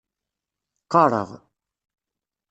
Qqaṛeɣ.